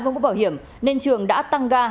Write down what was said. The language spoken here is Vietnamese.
không có bảo hiểm nên trường đã tăng ga